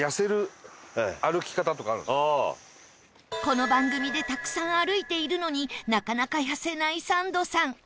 この番組でたくさん歩いているのになかなか痩せないサンドさん